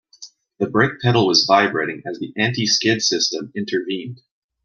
The brake pedal was vibrating as the anti-skid system intervened.